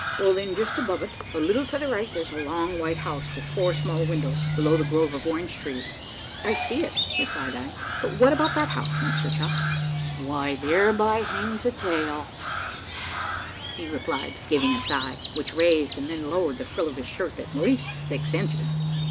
"Well, then, just above it, a little to the right, there is a long white house, with four small windows below the grove of orange trees." "I see it," replied I; "but what about that house, Mr Chucks?" "Why, thereby hangs a tale," replied he, giving a sigh, which raised and then lowered the frill of his shirt at least six inches.